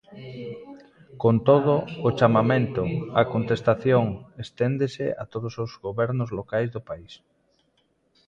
Con todo, o chamamento "á contestación" esténdese a todos os gobernos locais do País.